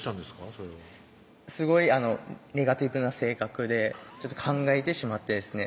それはすごいネガティブな性格で考えてしまってですね